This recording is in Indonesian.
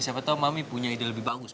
siapa tahu mami punya ide lebih bagus